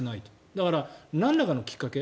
だから、なんらかのきっかけ。